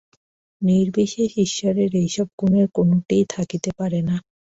নির্বিশেষ ঈশ্বরের এইসব গুণের কোনটিই থাকিতে পারে না।